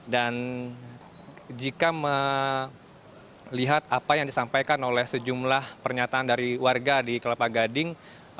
dan jika melihat apa yang disampaikan oleh sejumlah pernyataan dari warga di kelapa gading